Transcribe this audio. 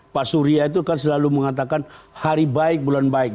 pak surya itu kan selalu mengatakan hari baik bulan baik